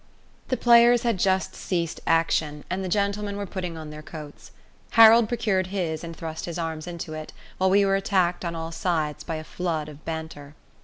The players had just ceased action, and the gentlemen were putting on their coats. Harold procured his, and thrust his arms into it, while we were attacked on all sides by a flood of banter.